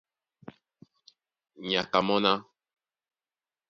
Nyaka mɔ́ ná: